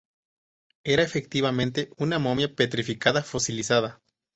Era efectivamente una momia, petrificada, fosilizada.